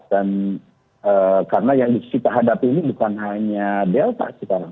dan karena yang kita hadapi ini bukan hanya delta sekarang